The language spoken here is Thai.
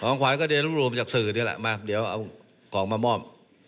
ของขวัญก็ได้ร่วมจากสื่อนี่แหละมาเดี๋ยวเอากล่องมามอบ